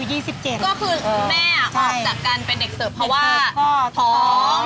ก็คือแม่ออกจากการเป็นเด็กเสิร์ฟเพราะว่าท้อง